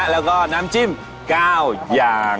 แล้วก็น้ำจิ้ม๙อย่าง